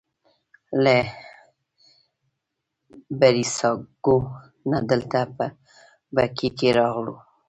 له بریساګو نه دلته په بګۍ کې راغلو.